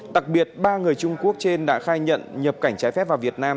đặc biệt ba người trung quốc trên đã khai nhận nhập cảnh trái phép vào việt nam